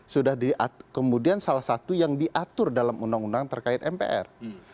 sudah kemudian salah satu yang diatur dalam undang undang terkait mpr